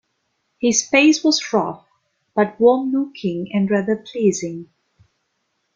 His face was rough, but warm-looking and rather pleasing.